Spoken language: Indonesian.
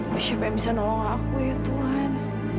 tapi siapa yang bisa nolong aku ya tuhan